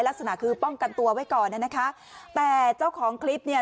ลักษณะคือป้องกันตัวไว้ก่อนน่ะนะคะแต่เจ้าของคลิปเนี่ย